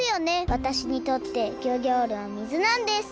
わたしにとってギョギョールは水なんです。